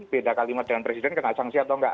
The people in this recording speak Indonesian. beda kalimat dengan presiden kena sanksi atau enggak